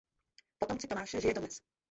Potomci Tomáše žije dodnes.